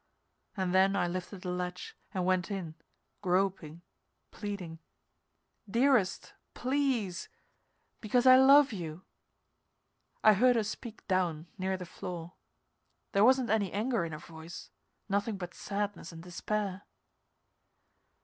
And then I lifted the latch and went in, groping, pleading. "Dearest please! Because I love you!" I heard her speak down near the floor. There wasn't any anger in her voice; nothing but sadness and despair.